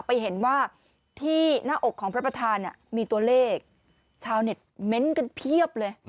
ไปเห็นว่าที่หน้าอกของพระประธานมีตัวเลขชาวเน็ตเม้นต์กันเพียบเลย